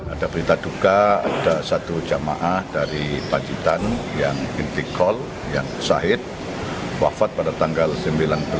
ada berita duka ada satu jamaah dari pacitan yang itiqol yang sahid wafat pada tanggal sembilan belas